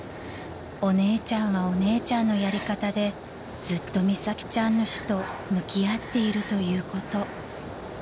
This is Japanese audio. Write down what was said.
［お姉ちゃんはお姉ちゃんのやり方でずっと美咲ちゃんの死と向き合っているということ］